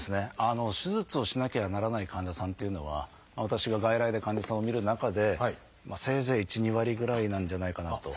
手術をしなきゃならない患者さんっていうのは私が外来で患者さんを診る中でせいぜい１２割ぐらいなんじゃないかなと。